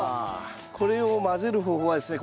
これを混ぜる方法はですね